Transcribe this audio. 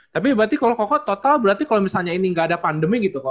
tapi berarti kalau kokoh total berarti kalau misalnya ini nggak ada pandemi gitu kok